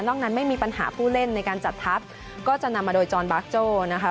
นั้นไม่มีปัญหาผู้เล่นในการจัดทัพก็จะนำมาโดยจอนบาร์กโจ้นะคะ